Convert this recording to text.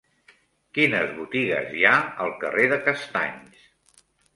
Quines botigues hi ha al carrer de Castanys?